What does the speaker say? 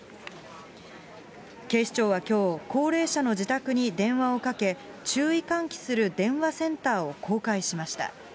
警視庁はきょう、高齢者の自宅に電話をかけ、注意喚起する電話センターを公開しました。